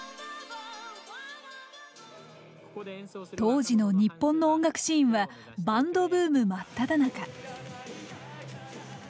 当時の日本の音楽シーンはバンドブーム真っただ中。